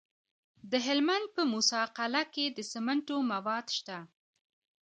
د هلمند په موسی قلعه کې د سمنټو مواد شته.